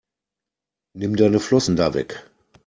Nimm deine Flossen da weg!